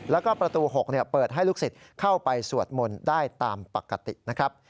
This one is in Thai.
แล้วก็ประตู๖เปิดให้ลูกศิษย์เข้าไปสวดมนต์ได้ตามปกตินะครับ